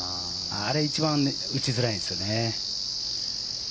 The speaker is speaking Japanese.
あれが一番打ちづらいですよね。